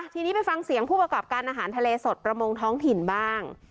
ทีนี้ไปฟังเสียงผู้ประกอบการอาหารทะเลสดประมงท้องถิ่นบ้าง